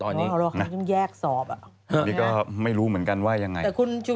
นี่ตอนนี้นะฮะ